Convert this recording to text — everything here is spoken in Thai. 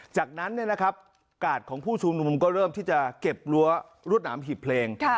จากนั้นกาดของผู้ชุมนุมก็เริ่มที่จะเก็บรั้วรวดหนามหีบเพลง